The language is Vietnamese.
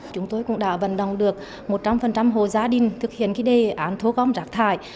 chúng tôi cũng đã vận động được một trăm linh hồ gia đình thực hiện cái đề án thu gom rác thải